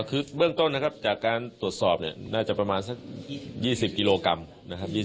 คือเบื้องต้นนะครับจากการตรวจสอบเนี่ยน่าจะประมาณสัก๒๐กิโลกรัมนะครับ